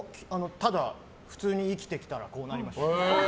ただ普通に生きてきたらこうなりました。